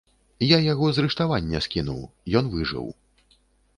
Я яго з рыштавання скінуў, ён выжыў.